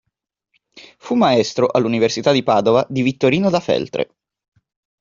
Fu maestro, all'Università di Padova, di Vittorino da Feltre.